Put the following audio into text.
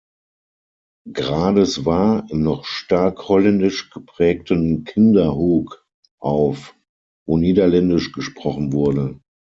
Grades war, im noch stark holländisch geprägten Kinderhook auf, wo niederländisch gesprochen wurde.